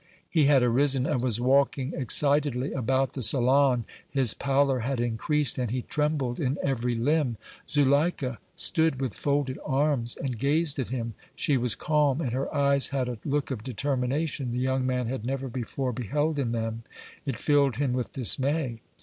He had arisen and was walking excitedly about the salon; his pallor had increased and he trembled in every limb. Zuleika stood with folded arms and gazed at him; she was calm and her eyes had a look of determination the young man had never before beheld in them; it filled him with dismay.